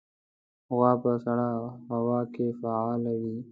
غوا په سړه هوا کې فعال وي.